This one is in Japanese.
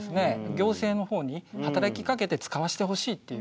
行政のほうに働きかけて使わしてほしいっていう。